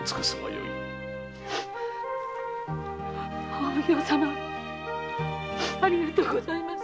お奉行様ありがとうごさいます。